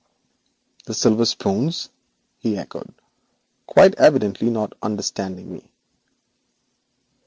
'The silver spoons?' he echoed, quite evidently not understanding me.